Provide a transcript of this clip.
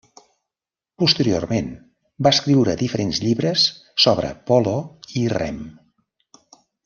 Posteriorment va escriure diferents llibres sobre polo i rem.